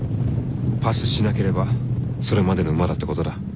パスしなければそれまでの馬だってことだ。